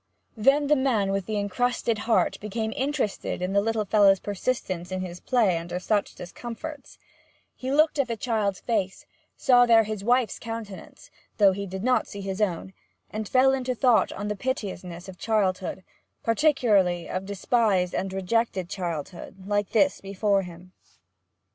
Then the man with the encrusted heart became interested in the little fellow's persistence in his play under such discomforts; he looked in the child's face, saw there his wife's countenance, though he did not see his own, and fell into thought on the piteousness of childhood particularly of despised and rejected childhood, like this before him.